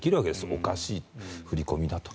おかしい振り込みだと。